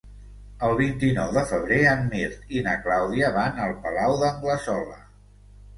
El vint-i-nou de febrer en Mirt i na Clàudia van al Palau d'Anglesola.